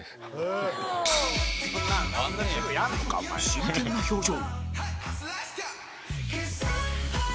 真剣な表情